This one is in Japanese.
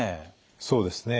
そうですね。